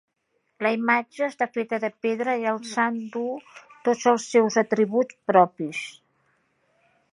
La imatge està feta de pedra i el sant duu tots els seus atributs propis.